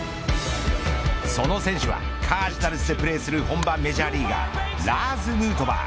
その選手はカージナルスでプレーする本場メジャーリーガーラーズ・ヌートバー。